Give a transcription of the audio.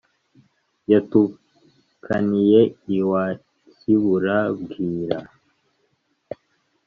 yatukaniye iwa kibura bwira.